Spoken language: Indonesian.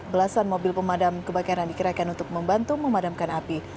belasan mobil pemadam kebakaran dikerahkan untuk membantu memadamkan api